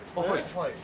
はい。